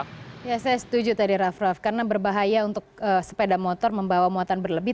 saya setuju tadi raff raff karena berbahaya untuk sepeda motor membawa muatan berlebih